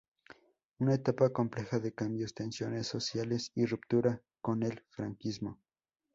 Una etapa compleja de cambios, tensiones sociales y ruptura con el franquismo.